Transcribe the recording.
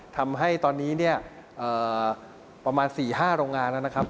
ทำให้ตอนนี้ประมาณ๔๕โรงงานนะครับ